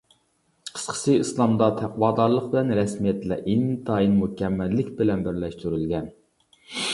قىسقىسى، ئىسلامدا تەقۋادارلىق بىلەن رەسمىيەتلەر ئىنتايىن مۇكەممەللىك بىلەن بىرلەشتۈرۈلگەن.